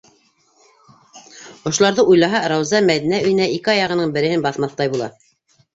Ошоларҙы уйлаһа, Рауза Мәҙинә өйөнә ике аяғының береһен баҫмаҫтай була.